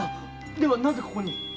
ではなぜここに？